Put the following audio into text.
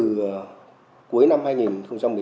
ngày thương binh